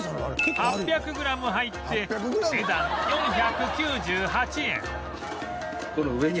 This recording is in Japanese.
８００グラム入ってお値段４９８円